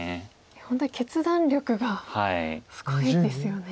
本当に決断力がすごいですよね。